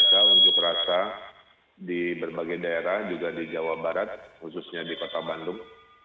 mereka unjuk rasa di berbagai daerah juga di jawa barat khususnya di kota bandung